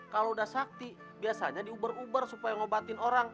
kalau udah sakti biasanya diuber uber supaya ngobatin orang